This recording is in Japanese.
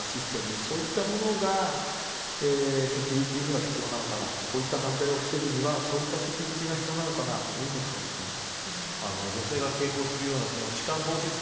そういったものがセキュリティーには必要なのかなとこういった犯罪をふせぐにはそういったセキュリティーが必要なのかなと感じています。